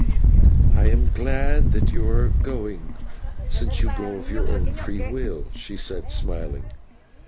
"I am glad that you are going, since you go of your own free will," she said, smiling.